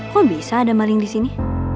kok bisa ada maling disini